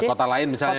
kota lain misalnya